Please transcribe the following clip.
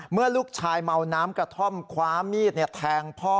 เมื่อลูกชายเมาน้ำกระท่อมคว้ามีดแทงพ่อ